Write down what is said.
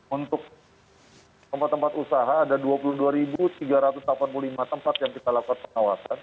untuk tempat tempat usaha ada dua puluh dua tiga ratus delapan puluh lima tempat yang kita lakukan pengawasan